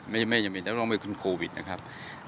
ไม่จำเป็นต้องเป็นโควิดนะครับ